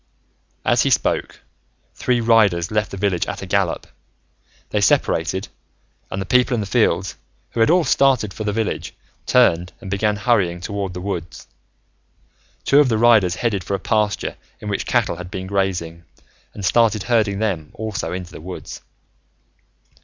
As he spoke, three riders left the village at a gallop. They separated, and the people in the fields, who had all started for the village, turned and began hurrying toward the woods. Two of the riders headed for a pasture in which cattle had been grazing and started herding them also into the woods.